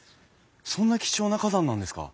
そんな貴重な花壇なんですか？